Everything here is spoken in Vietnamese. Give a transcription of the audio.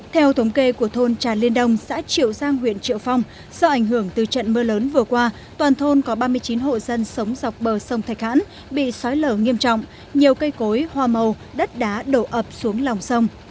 theo thống kê của thôn trà liên đông xã triệu giang huyện triệu phong do ảnh hưởng từ trận mưa lớn vừa qua toàn thôn có ba mươi chín hộ dân sống dọc bờ sông thạch hãn bị xói lở nghiêm trọng nhiều cây cối hoa màu đất đá đổ ập xuống lòng sông